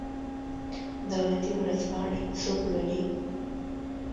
دولتي ورځپاڼې څوک لوالي؟